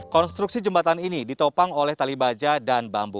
konstruksi jembatan ini ditopang oleh tali baja dan bambu